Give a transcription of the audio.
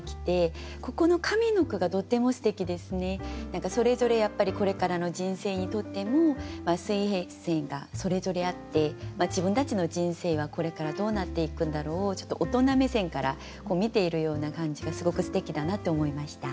何かそれぞれやっぱりこれからの人生にとっても水平線がそれぞれあって自分たちの人生はこれからどうなっていくんだろうをちょっと大人目線から見ているような感じがすごくすてきだなと思いました。